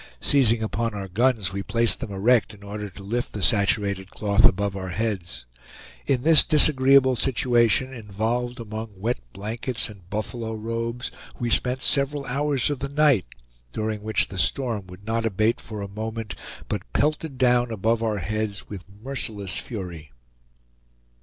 Seizing upon our guns, we placed them erect, in order to lift the saturated cloth above our heads. In this disagreeable situation, involved among wet blankets and buffalo robes, we spent several hours of the night during which the storm would not abate for a moment, but pelted down above our heads with merciless fury.